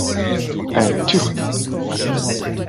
Un Turc!